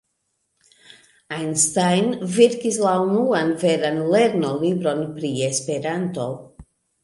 Einstein verkis la unuan veran lernolibron pri Esperanto.